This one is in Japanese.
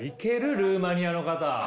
ルーマニアの方。